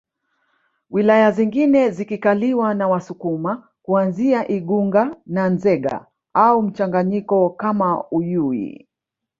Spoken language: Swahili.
wilaya zingine zikikaliwa na Wasukuma kuanzia Igunga na Nzega au mchanganyiko kama Uyui